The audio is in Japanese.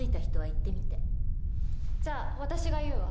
じゃあ私が言うわ。